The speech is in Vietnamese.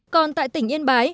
còn tại tỉnh yên bái